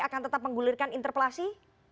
akan tetap menggulirkan interpelasi